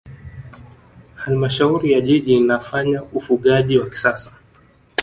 halmashauri ya jiji inafanya ufugaji wa kisasa